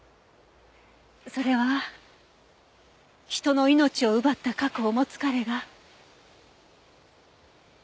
それは人の命を奪った過去を持つ彼が。